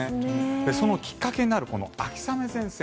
そのきっかけになる秋雨前線